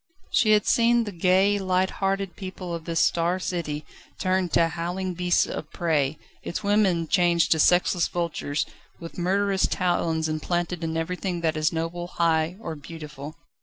She had seen the gay, light hearted people of this Star City turned to howling beasts of prey, its women changed to sexless vultures, with murderous talons implanted in everything that is noble, high or beautiful.